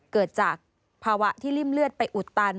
เกิดจากภาวะที่ริ่มเลือดไปอุดตัน